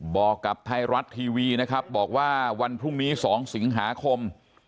บอกกับไทยรัฐทีวีนะครับบอกว่าวันพรุ่งนี้๒สิงหาคม